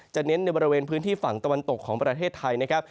เน้นในบริเวณพื้นที่ฝั่งตะวันตกของประเทศไทยนะครับ